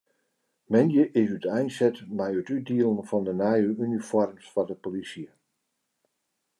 Moandei is úteinset mei it útdielen fan de nije unifoarms foar de polysje.